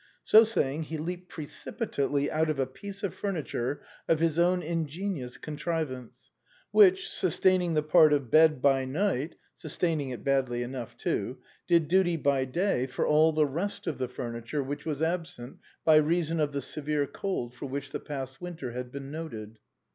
" So say ing, he leaped precipitately out of a piece of furniture of his own ingenious contrivance, which, sustaining the part of bed by night, (sustaining it badly enough too,) did duty by day for all the rest of the furniture which was absent by reason of the severe cold for which the past winter had been noted.